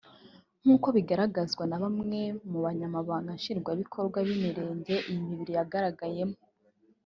nk’uko bitangazwa na bamwe mu banyamabanga Nshingwabikorwa b’imirenge iyi mibiri yagaragayemo